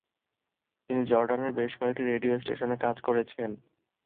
তিনি জর্ডানের বেশ কয়েকটি রেডিও স্টেশনে কাজ করেছেন।